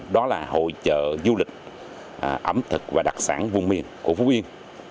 đó là hội trợ du lịch ẩm thực và đặc sản vùng miền của phú yên